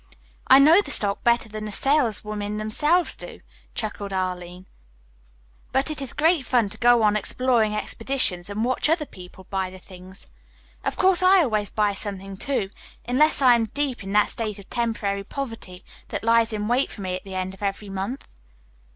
"I know the stock better than the saleswomen themselves do," chuckled Arline, "but it is great fun to go on exploring expeditions and watch other people buy the things. Of course, I always buy something, too, unless I am deep in that state of temporary poverty that lies in wait for me at the end of every month."